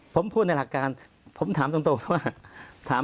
ผมพูดในหลักการผมถามตรงว่า